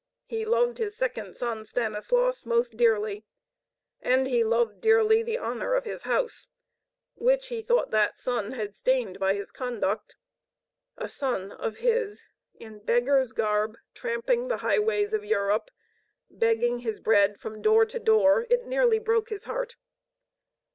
He loved his second son, Stanislaus, most dearly, and he loved dearly the honor of his house, which he thought that son had stained by hi& conduct. A son of his in beggar's garb, tramping the highways of Europe, begging his bread from door to door! It nearly broke his heart.